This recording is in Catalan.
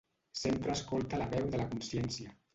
Sempre escolta la veu de la consciència.